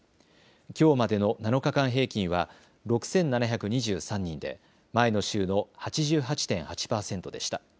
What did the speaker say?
きょうまでの７日間平均は６７２３人で前の週の８８．８％でした。